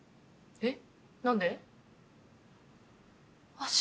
えっ？